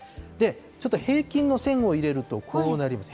ちょっと平均の線を入れると、こうなります。